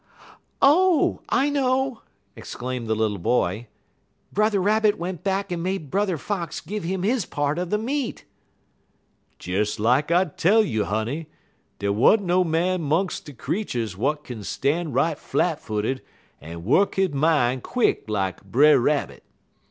"Oh, I know!" exclaimed the little boy. "Brother Rabbit went back and made Brother Fox give him his part of the meat." "Des lak I tell you, honey; dey wa'n't no man 'mungs de creeturs w'at kin stan' right flat footed en wuk he min' quick lak Brer Rabbit.